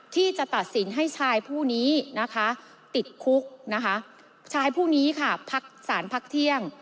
ที่จะตัดสินให้ชายผู้นี้นะคะติดคุกนะคะชายผู้นี้ค่ะพักสารพักเที่ยง